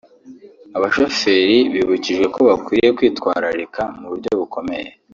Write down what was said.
Abashoferi bibukijwe ko bakwiye kwitwararika mu buryo bukomeye